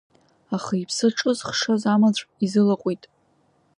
Аха иԥсы ҿызхшаз амаҵә изылаҟәит…